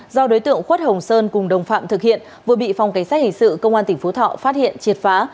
do đối tượng khuất hồng sơn cùng đồng phạm thực hiện vừa bị phòng cảnh sát hình sự công an tỉnh phú thọ phát hiện triệt phá